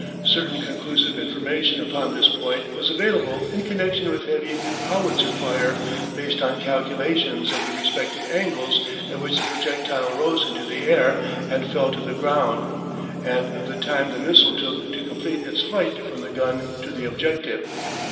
Certain conclusive information upon this point was available in connection with heavy howitzer fire, based on calculations of the respective angles at which the projectile rose into the air and fell to the ground, and of the time the missile took to complete its flight from the gun to the objective.